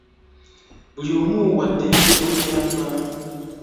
Buli omu wa ddembe okuyamba.